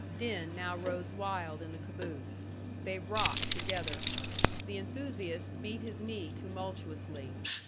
Din now rose wild in the caboose. They rocked together. The enthusiast beat his knee tumultuously.